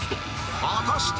果たして